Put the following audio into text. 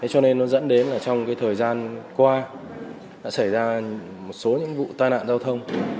cho nên nó dẫn đến là trong thời gian qua đã xảy ra một số những vụ tai nạn giao thông